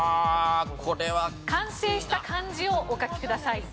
完成した漢字をお書きください。